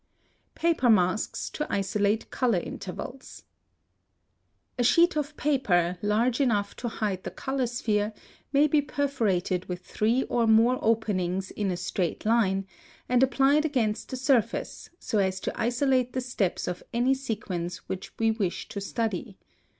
+Paper masks to isolate color intervals.+ (167) A sheet of paper large enough to hide the color sphere may be perforated with three or more openings in a straight line, and applied against the surface, so as to isolate the steps of any sequence which we wish to study.